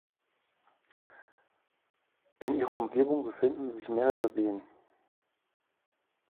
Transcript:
In ihrer Umgebung befinden sich mehrere Seen.